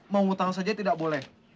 mau ngutang saja tidak boleh